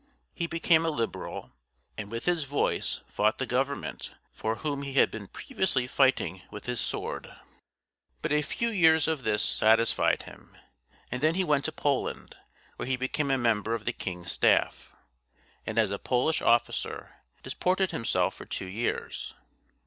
He became a Liberal, and with his voice fought the government for whom he had been previously fighting with his sword. But a few years of this satisfied him; and then he went to Poland, where he became a member of the king's staff, and as a Polish officer disported himself for two years.